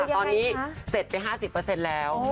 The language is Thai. ตอนนี้เสร็จไป๕๐แล้ว